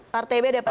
partai b dapat satu